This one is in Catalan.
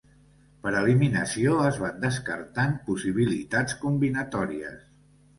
Per eliminació, es van descartant possibilitats combinatòries.